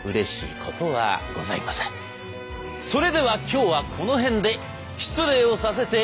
それでは今日はこの辺で失礼をさせて。